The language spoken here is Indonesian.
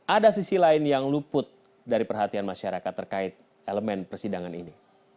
ada sisi lain yang luput dari perhatian masyarakat terkait elemen persidangan ini